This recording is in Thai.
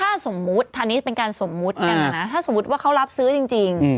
ถ้าสมมุติอันนี้เป็นการสมมุติกันนะนะถ้าสมมุติว่าเขารับซื้อจริง